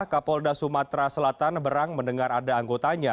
kapolda sumatera selatan berang mendengar ada anggotanya